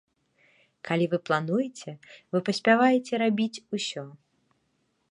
Калі вы плануеце, вы паспяваеце рабіць усё.